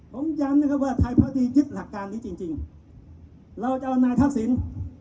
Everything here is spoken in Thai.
ผมยังนึกว่าไทยภาษียึดหลักการนี้จริงจริงเราจะเอานายทักศิลป์